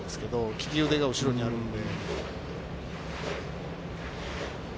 利き腕が後ろにあるので。